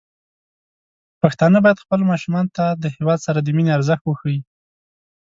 پښتانه بايد خپل ماشومان ته د هيواد سره د مينې ارزښت وښيي.